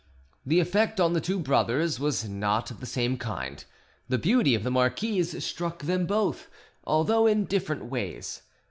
The effect on the two brothers was not of the same kind: the beauty of the marquise struck them both, although in different ways.